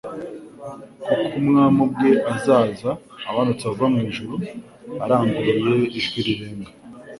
"Kuko Umwami abwe azaza, amanutse ava mu ijuru arangurure ijwi rirenga,